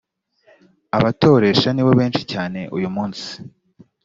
abatoresha nibo benshi cyane uyumunsi.